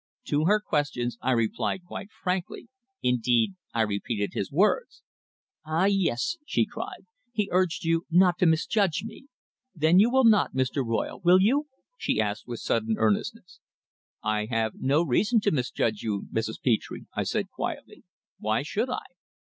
To her questions I replied quite frankly. Indeed, I repeated his words. "Ah! yes," she cried. "He urged you not to misjudge me. Then you will not, Mr. Royle will you?" she asked me with sudden earnestness. "I have no reason to misjudge you, Mrs. Petre," I said, quietly. "Why should I?"